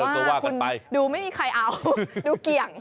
เพราะว่าคุณดูไม่มีใครเอาดูเกี่ยง